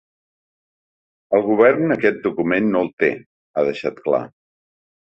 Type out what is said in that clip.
El govern aquest document no el té, ha deixat clar.